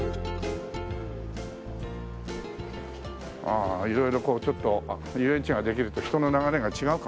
ああ色々こうちょっと遊園地ができると人の流れが違うかも。